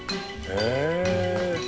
へえ。